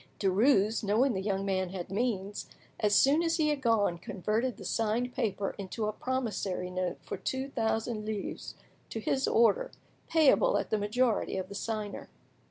Derues, knowing the young man had means, as soon as he had gone, converted the signed paper into a promissory note for two thousand livres, to his order, payable at the majority of the signer.